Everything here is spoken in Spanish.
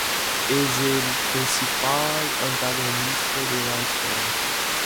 Él es el principal antagonista de la historia.